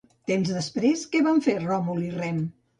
Temps després què van fer Ròmul i Rem?